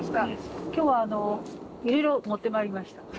今日はあのいろいろ持ってまいりました。